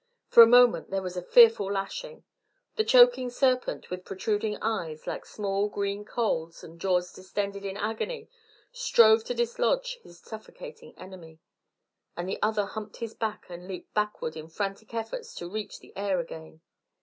For a moment there was a fearful lashing. The choking serpent, with protruding eyes, like small green coals, and jaws distended in agony, strove to dislodge his suffocating enemy, and the other humped his back and leapt backward in frantic efforts to reach the air again.